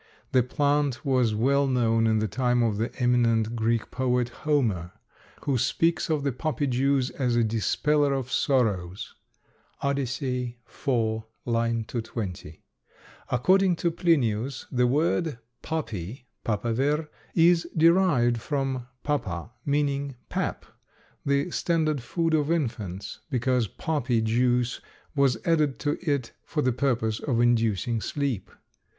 The plant was well known in the time of the eminent Greek poet Homer, who speaks of the poppy juice as a dispeller of sorrows (Odyssey, IV. l. 220). According to Plinius the word poppy (Papaver) is derived from papa, meaning pap, the standard food of infants, because poppy juice was added to it for the purpose of inducing sleep.